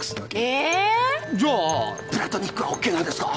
えっ！じゃあプラトニックはＯＫなんですか？